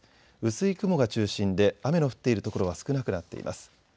薄い雲が中心で雨の降っているところは少なくなっています。